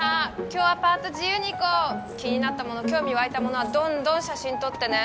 今日はパーッと自由に行こう気になったもの興味湧いたものはどんどん写真撮ってね